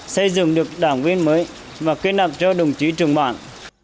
xây dựng được đảng viên mới và kết nập cho đồng chí trường bản